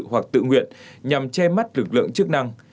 hoặc tự nguyện nhằm che mắt lực lượng chức năng